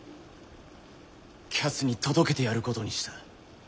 彼奴に届けてやることにした。